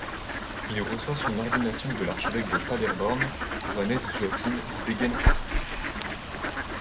Il reçoit son ordination de l'archevêque de Paderborn, Johannes Joachim Degenhardt.